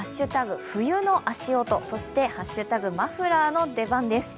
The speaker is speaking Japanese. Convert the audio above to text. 冬の足音、そしてマフラーの出番です。